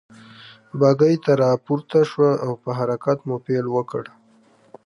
بګۍ ته را پورته شوه او په حرکت مو پيل وکړ.